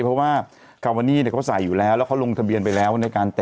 เพราะว่าคาวานี่เนี่ยเขาใส่อยู่แล้วแล้วเขาลงทะเบียนไปแล้วในการจัด